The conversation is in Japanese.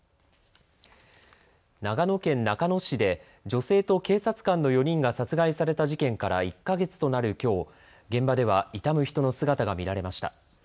長野県中野市で女性と警察官の４人が殺害された事件から１か月となるきょう現場では悼む人の姿が見られました。